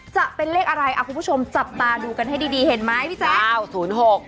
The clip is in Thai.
จะเป็นเลขอะไรอ่ะคุณผู้ชมจับตาดูกันให้ดีดีเห็นไหมพี่แจ๊ค